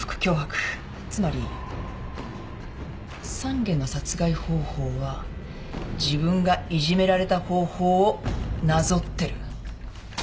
つまり３件の殺害方法は自分がいじめられた方法をなぞってる。